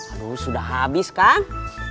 aduh sudah habis kang